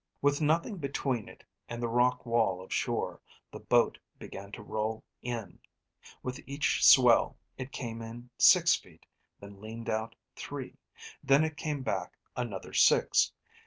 With nothing between it and the rock wall of shore, the boat began to roll in. With each swell, it came in six feet, and then leaned out three. Then it came back another six.